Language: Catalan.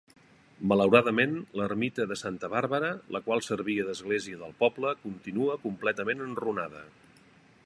Malauradament, l'ermita de santa Bàrbara, la qual servia d'església del poble, continua completament enrunada.